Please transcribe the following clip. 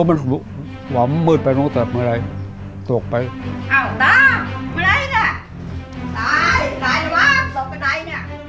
หลานก็ทำไม่ได้หลานก็ทำไม่ได้ต้องทำเลี้ยงคนเดียว